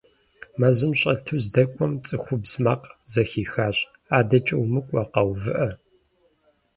Мэзым щӀэту здэкӀуэм, цӏыхубз макъ зэхихащ: «АдэкӀэ умыкӀуэ, къэувыӀэ!».